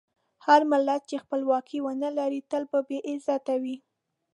هر ملت چې خپلواکي ونه لري، تل به بې عزته وي.